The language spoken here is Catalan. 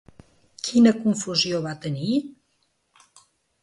Quina confusió va tenir?